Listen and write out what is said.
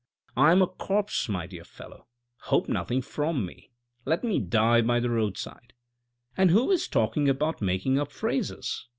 I am a corpse, my dear fellow, hope nothing from me. Let me die by the road side." " And who is talking about making up phrases